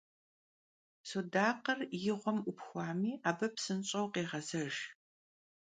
Sudakhır yi ğuem 'Upxuami, abı psınş'eu khêğezejj.